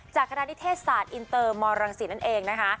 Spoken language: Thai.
คณะนิเทศศาสตร์อินเตอร์มรังศิษย์นั่นเองนะคะ